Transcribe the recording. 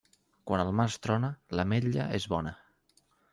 Quan el març trona, l'ametlla és bona.